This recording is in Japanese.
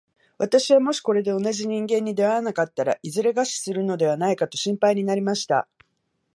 私はもしこれで同じ人間に出会わなかったら、いずれ餓死するのではないかと心配になりました。